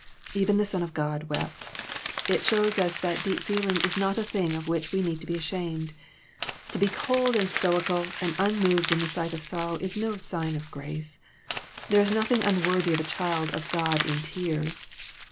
Even the Son of God wept. — It shows us that deep feeling is not a thing of which we need be ashamed. To be cold and stoical and unmoved in the eight of sorrow is no sign of grace. There is nothing unworthy of a child of God in tears.